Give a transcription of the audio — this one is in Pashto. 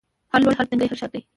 هره لوړه، هر تنګی هره شاګۍ